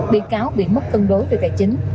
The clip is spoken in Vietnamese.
bị cáo bị mất cân đối về tài chính